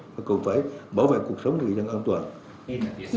mà còn phải bảo vệ cuộc sống cho người dân an toàn